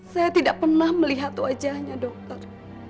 saya tidak pernah melihat wajahnya dokter